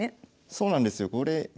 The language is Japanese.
そうなんですよ。